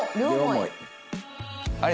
あれ？